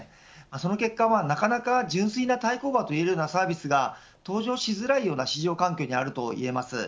その結果、なかなか純粋な対抗馬といえるようなサービスが登場しづらいような市場環境にあるといえます。